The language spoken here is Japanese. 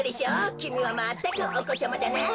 きみはまったくおこちゃまだなあ。